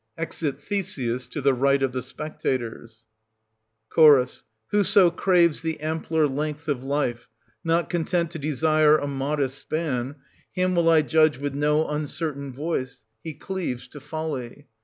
{Exit Theseus, to the right of the spectators, sir Ch. Whoso craves the ampler length of life, not content to desire a modest span, him will I judge with no uncertain voice; he cleaves to folly.